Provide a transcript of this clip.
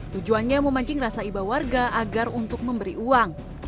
tujuannya memancing rasa iba warga agar untuk memberi uang